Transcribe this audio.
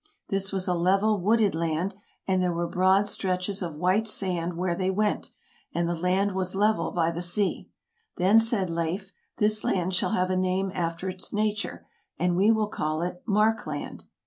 This was a level wooded land; and there were broad stretches of white sand where they went, and the land was level by the sea. Then said Leif, " This land shall have a name after its nature; and we will call it Mark land."